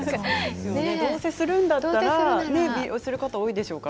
どうせするんだったらという方、多いでしょうね